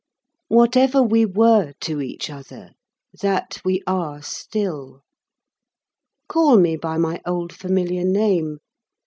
Whatever we were to each other, that we are still. Call me by the old familiar name.